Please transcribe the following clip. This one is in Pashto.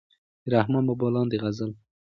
د رحمان بابا لاندې غزل